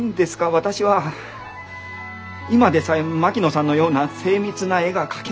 私は今でさえ槙野さんのような精密な絵が描けません。